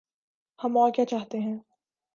ہم اور کیا چاہتے ہیں۔